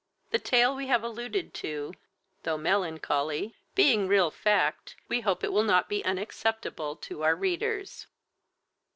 The tale we have alluded to, though melancholy, being a real fact, we hope it will not be unacceptable to our readers.